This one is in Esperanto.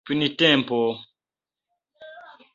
printempo